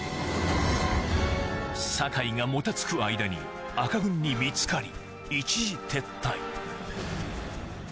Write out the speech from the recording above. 酒井がもたつく間に赤軍に見つかり一時撤退